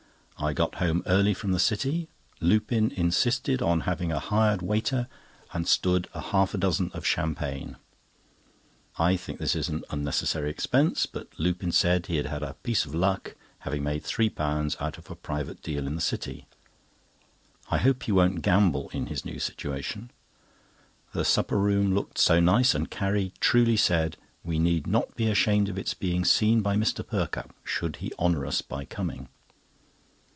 I got home early from the City. Lupin insisted on having a hired waiter, and stood a half dozen of champagne. I think this an unnecessary expense, but Lupin said he had had a piece of luck, having made three pounds out a private deal in the City. I hope he won't gamble in his new situation. The supper room looked so nice, and Carrie truly said: "We need not be ashamed of its being seen by Mr. Perkupp, should he honour us by coming."